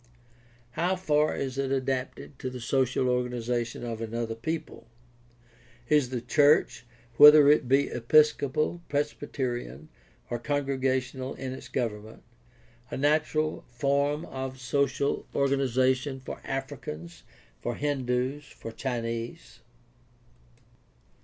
How far is it adapted to the social organization of another people ? Is the church, whether it be episcopal, presbyte rian, or congregational in its government, a natural form of social organization for Africans, for Hindus, for Chinese